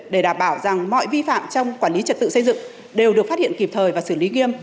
để đảm bảo rằng mọi vi phạm trong quản lý trật tự xây dựng đều được phát hiện kịp thời và xử lý nghiêm